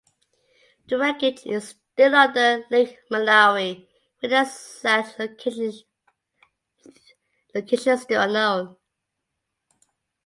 The wreckage is still under Lake Malawi with the exact location still unknown.